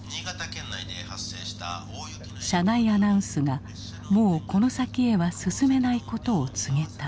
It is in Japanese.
車内アナウンスがもうこの先へは進めないことを告げた。